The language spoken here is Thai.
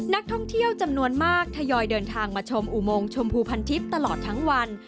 นักท่องเที่ยวจำนวนมากทยอยเดินทางมาชมอุโมงชมพูพันทิพย์ตลอดทั้งวัน